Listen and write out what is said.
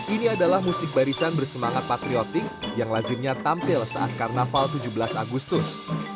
ini adalah musik barisan bersemangat patriotik yang lazimnya tampil saat karnaval tujuh belas agustus